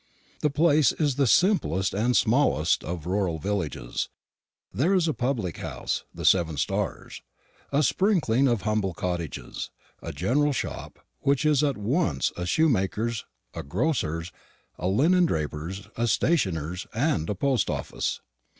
The place is the simplest and smallest of rural villages. There is a public house the Seven Stars; a sprinkling of humble cottages; a general shop, which is at once a shoemaker's, a grocer's, a linen draper's, a stationer's, and a post office.